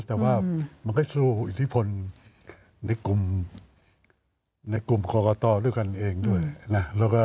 แต่ว่ามันก็สู้อิทธิพลในกลุ่มในกลุ่มกรกตด้วยกันเองด้วยนะ